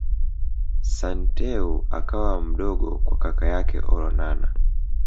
Santeu akawa mdogo kwa kaka yake Olonana